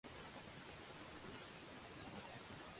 The Walt Disney Productions Story Dept.